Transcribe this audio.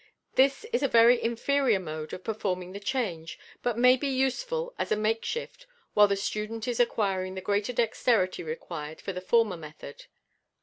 — This is a very inferior mode of performing the change, but may be useful as a makeshift while the student is acquiring the greater dexterity required for the former method.